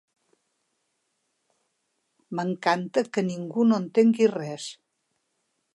M'encanta que ningú no entengui res.